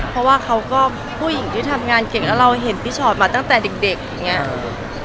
เพราะว่าเขาก็ผู้หญิงที่ทำงานเก่งแล้วเราเห็นพี่ชอตมาตั้งแต่เด็กอย่างนี้